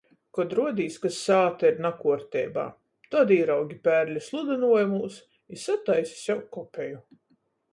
Kod ruodīs, ka sāta ir nakuorteibā. Tod īraugi pērli sludynuojumūs. I sataisi sev kopeju.